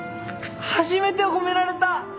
初めて褒められた！